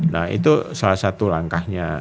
nah itu salah satu langkahnya